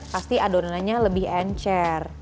pasti adonannya lebih encer